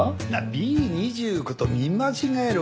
Ｂ２９と見間違える